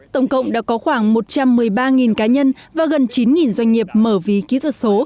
tổng cộng đã có khoảng một trăm một mươi ba cá nhân và gần chín doanh nghiệp mở ví kỹ thuật số